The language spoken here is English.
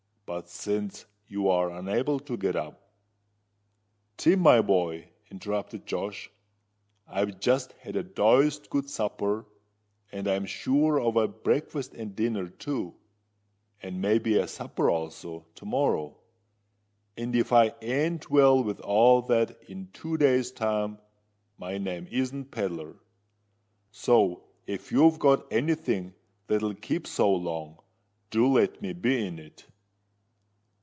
But since you're unable to get up——" "Tim, my boy," interrupted Josh, "I've just had a deuced good supper, and I'm sure of a breakfast and a dinner too, and may be a supper also, to morrow; and if I ain't well with all that in two days' time, my name isn't Pedler. So, if you've got any thing that'll keep so long, do let me be in it.